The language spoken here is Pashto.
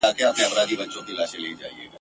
چي مي څو ځله د وران او د زاړه سړک پر غاړه !.